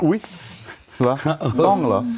อุ๊ยเกล้องเหรอ